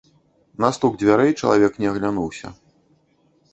На стук дзвярэй чалавек не аглянуўся.